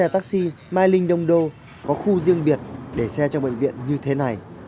taxi đấy là hợp đồng bệnh viện